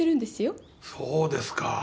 そうですか。